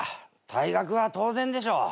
退学は当然でしょう。